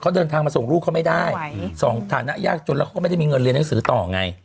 เขาเดินทางมาส่งลูกเขาไม่ได้ส่งฐานะยากจนแล้วเขาก็ไม่ได้มีเงินเรียนหนังสือต่อไง